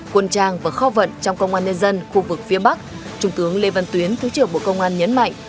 quân trang và kho vận trong công an nhân dân khu vực phía bắc trung tướng lê văn tuyến thứ trưởng bộ công an nhấn mạnh